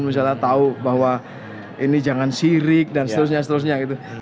misalnya tahu bahwa ini jangan sirik dan seterusnya seterusnya gitu